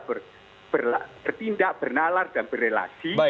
bertindak bernalar dan berrelasi